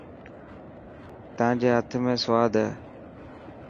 تان جي هٿ ۾ سواد هي.